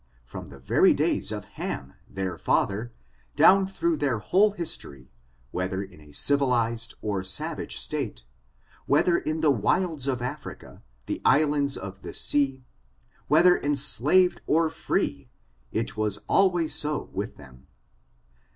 From the very daj^s of EUun, their father, down through their whole his tory, whether in a civilized or savage state, whether in the wilds of Africa, the islands of the sea, whether enslaved or free, it was always so with them.